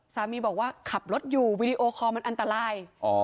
สามีบอกว่าขับรถอยู่วีดีโอคอลมันอันตราย